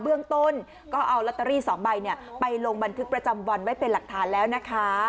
เบื้องต้นก็เอาลอตเตอรี่๒ใบไปลงบันทึกประจำวันไว้เป็นหลักฐานแล้วนะคะ